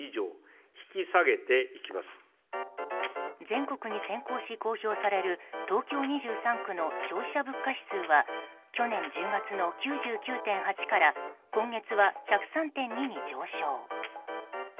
全国に先行し公表される東京２３区の消費者物価指数は去年１０月の９９．８から今月は１０３．２に上昇。